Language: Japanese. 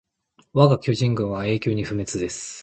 わが巨人軍は永久に不滅です